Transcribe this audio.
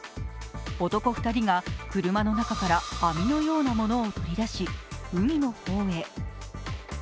男２人が車の中から網のようなものを鳥だし海の方へ。